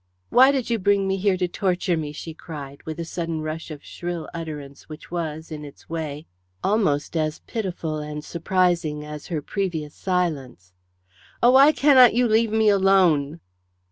"Why did you bring me here to torture me?" she cried, with a sudden rush of shrill utterance which was, in its way, almost as pitiful and surprising as her previous silence. "Oh, why cannot you leave me alone?"